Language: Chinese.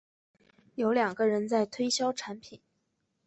有两个人在推销产品